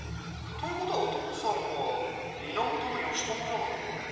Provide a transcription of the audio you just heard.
ということはお父さんは源義朝じゃないかな？